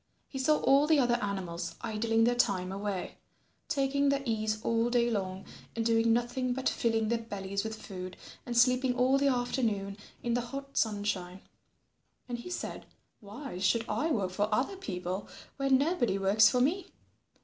He saw all the other animals idling their time away, taking their ease all day long, and doing nothing but filling their bellies with food, and sleeping all the afternoon in the hot sunshine. And he said, "Why should I work for other people when nobody works for me?